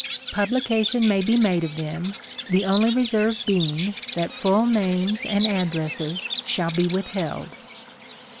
Publication may be made of them, the only reserve being that full names and ad dresses shall be withheld.